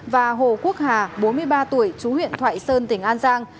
và hồ quốc hà bốn mươi ba tuổi chú huyện thoại sơn tỉnh an giang